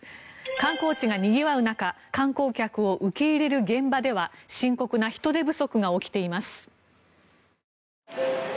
観光地がにぎわう中観光客を受け入れる現場では深刻な人手不足が起きています。